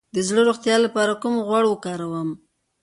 د زړه د روغتیا لپاره کوم غوړ وکاروم؟